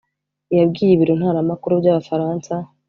yabwiye ibiro ntaramakuru by’Abafransa